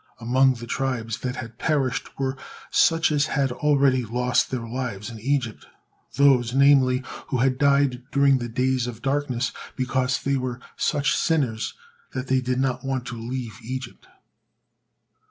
Among the tribes that had perished were such as had already lost their lives in Egypt, those, namely, who had died during the days of darkness because they were such sinners that they did not want to leave Egypt.